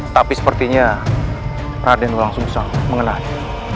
tapi sepertinya raden langsung sang mengenalnya